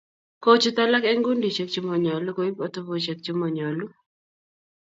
Kochut alak eng kundisiek chemonyolu koib atebosiek che monyolu